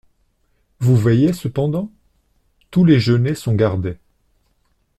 Vous veillez cependant ? Tous les genêts sont gardés.